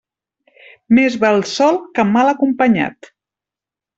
Més val sol que mal acompanyat.